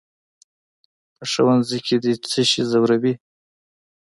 "په ښوونځي کې دې څه شی ځوروي؟"